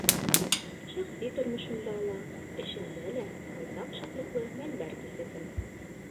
Шәхси тормошомда ла, эшемдә лә байтаҡ шатлыҡлы мәлдәр кисерҙем.